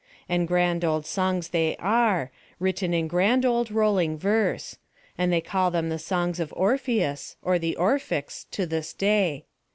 And grand old songs they are, written in grand old rolling verse; and they call them the Songs of Orpheus, or the Orphics, to this day.